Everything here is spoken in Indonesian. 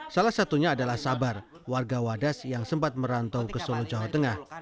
salah satunya adalah sabar warga wadas yang sempat merantau ke solo jawa tengah